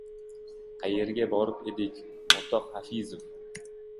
Qayerga borib edik, o‘rtoq Hafizov?